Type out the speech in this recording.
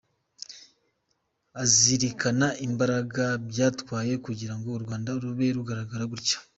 Azirikana imbaraga byatwaye kugira ngo u Rwanda rube rugaragara gutya.